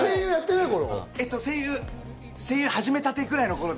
声優を始めたてぐらいの頃で